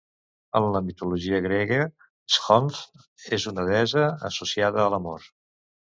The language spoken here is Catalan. En la mitologia grega, Sjöfn és una deessa associada a l'amor.